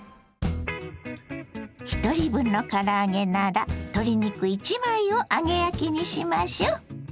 ひとり分のから揚げなら鶏肉１枚を揚げ焼きにしましょう。